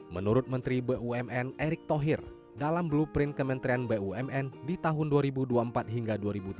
menurut menteri bumn erick thohir dalam blueprint kementerian bumn di tahun dua ribu dua puluh empat hingga dua ribu tiga puluh